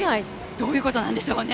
どういうことなんでしょうね。